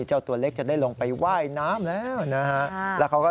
เจ้าตัวเล็กจะได้ลงไปว่ายน้ำแล้วนะฮะ